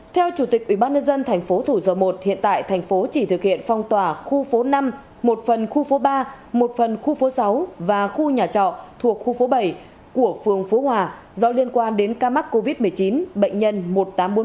theo chủ tịch ubnd tp thủ dầu một hiện tại thành phố chỉ thực hiện phong tỏa khu phố năm một phần khu phố ba một phần khu phố sáu và khu nhà trọ thuộc khu phố bảy của phương phú hòa do liên quan đến ca mắc covid một mươi chín bệnh nhân một nghìn tám trăm bốn mươi ba là nữ sinh viên đại học thủ dầu một